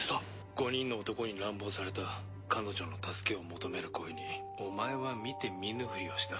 ５人の男に乱暴された彼女の助けを求める声にお前は見て見ぬふりをした。